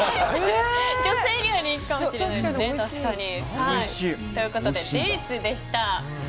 女性には人気かもしれないですね。ということで、デーツでした。